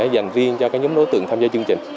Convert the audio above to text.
dành riêng cho các nhóm đối tượng tham gia chương trình